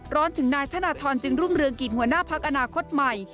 ถึงนายธนทรจึงรุ่งเรืองกิจหัวหน้าพักอนาคตใหม่